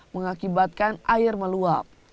mengakibatkan air meluap